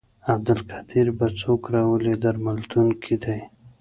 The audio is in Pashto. عبدالقدیر به څوک راولي درملتون کې دی.